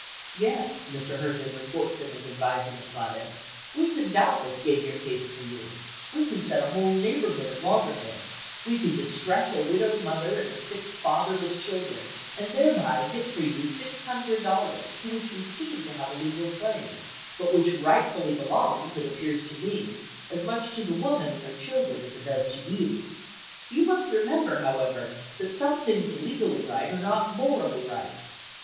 "Yes" Mr. Herndon reports him as advising a client, "we can doubtless gain your case for you; we can set a whole neighborhood at loggerheads; we can distress a widowed mother and her six fatherless children, and thereby get for you six hundred, dollars to which you seem to have a legal claim, but which rightfully belongs, it appears to me, as much to the woman and her children as it does to you. You must remember, however, that some things legally right are not morally right.